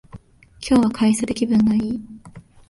今日は快晴で気分がいい